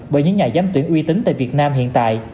bởi những nhà giám tuyển uy tín tại việt nam hiện tại